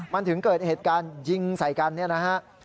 มันถึงเกิดเหตุการณ์ยิงใส่กันเนี่ยนะฮะ